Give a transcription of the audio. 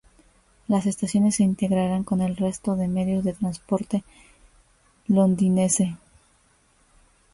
Las estaciones se integrarán con el resto de medios de transporte londinense.